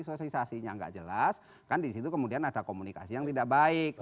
sosialisasi yang gak jelas kan di situ kemudian ada komunikasi yang tidak baik